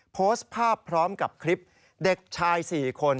โพสต์ภาพพร้อมกับคลิปเด็กชาย๔คน